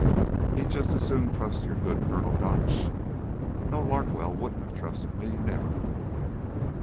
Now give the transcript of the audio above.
He'd just as soon trust your good Colonel Gotch. No, Larkwell wouldn't have trusted me. Never."